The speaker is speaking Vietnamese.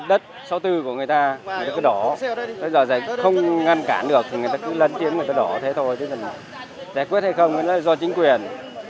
đất sáu mươi bốn của người ta cứ đỏ bây giờ không ngăn cản được thì người ta cứ lấn chiếm người ta đỏ thế thôi giải quyết hay không là do chính quyền